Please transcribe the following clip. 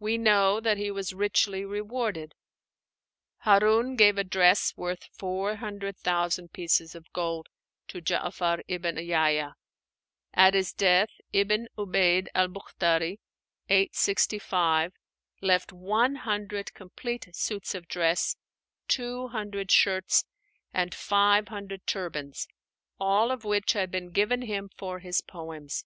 We know that he was richly rewarded. Harún gave a dress worth four hundred thousand pieces of gold to Já'far ibn Yahya; at his death, Ibn 'Ubeid al Buchtarí (865) left one hundred complete suits of dress, two hundred shirts, and five hundred turbans all of which had been given him for his poems.